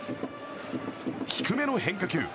低めの変化球。